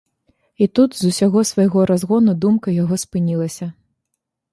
І тут з усяго свайго разгону думка яго спынілася.